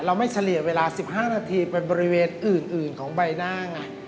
ไม่เฉลี่ยเวลา๑๕นาทีเป็นบริเวณอื่นของใบหน้าไง